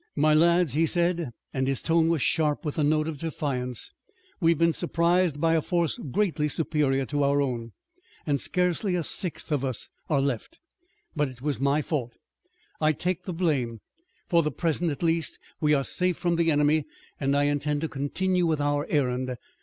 "My lads," he said, and his tone was sharp with the note of defiance. "We have been surprised by a force greatly superior to our own, and scarcely a sixth of us are left. But it was my fault. I take the blame. For the present, at least, we are safe from the enemy, and I intend to continue with our errand.